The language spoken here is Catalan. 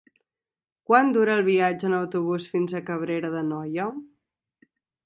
Quant dura el viatge en autobús fins a Cabrera d'Anoia?